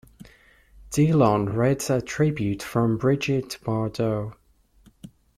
Delon read a tribute from Brigitte Bardot.